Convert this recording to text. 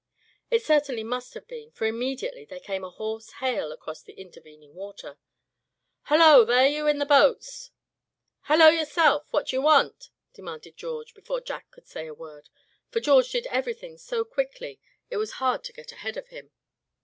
It certainly must have been, for immediately there came a hoarse hail across the intervening water. "Hello! there, you in the motor boats!" "Hello! yourself! what d'ye want?" demanded George; before Jack could say a word; for George did everything so quickly it was hard to get ahead of him.